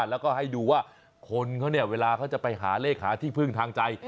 แล้วก็ให้ดูว่าคนเขาเนี่ยเวลาเขาจะไปหาเลขหาที่พึ่งทางใจ